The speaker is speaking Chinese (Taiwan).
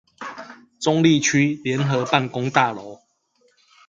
中壢區聯合辦公大樓